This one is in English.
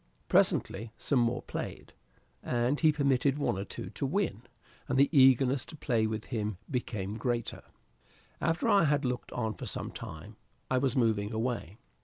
Presently some more played, and he permitted one or two to win, and the eagerness to play with him became greater. After I had looked on for some time, I was moving away.